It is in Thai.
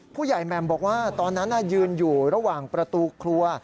แหม่มบอกว่าตอนนั้นยืนอยู่ระหว่างประตูครัว